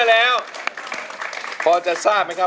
สวัสดีครับ